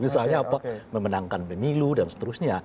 misalnya apa memandangkan bemilu dan seterusnya